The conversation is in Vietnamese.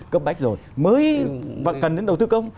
cấp bách rồi mới cần đến đầu tư công